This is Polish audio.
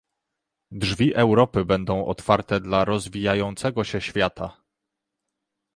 Drzwi Europy będą otwarte dla rozwijającego się świata